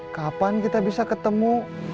kapan kita bisa ketemu